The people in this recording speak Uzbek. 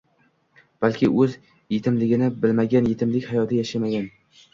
Balki o'zi yetimligini bilmagan, yetimlik hayotini yashamagan